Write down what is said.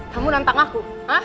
kamu nantang aku